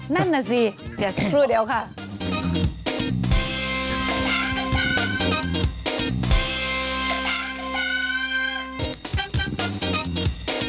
นั่นน่ะสิอย่าซื้อเดี๋ยวค่ะ